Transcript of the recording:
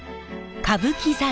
歌舞伎座